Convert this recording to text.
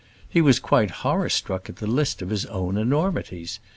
He was quite horror struck at the list of his own enormities.